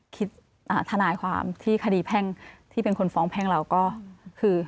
ทนายความที่คดีแพ่งที่เป็นคนฟ้องแพ่งเราก็คือ